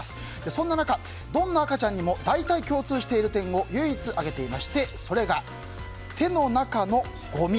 そんな中、どんな赤ちゃんにも大体共通している点を唯一挙げていましてそれが手の中のごみ。